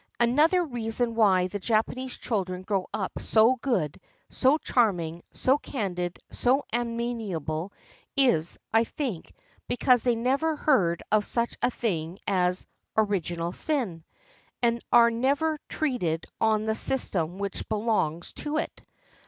Another reason why the Japanese children grow up so good, so charming, so candid, so amenable, is, I think, because they never heard of such a thing as "original sin," and are never treated on the system which belongs to it.